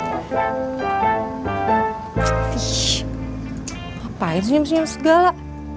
apaan ini nyam nyam segala